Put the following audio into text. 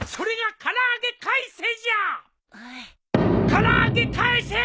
「唐揚げ返せ！」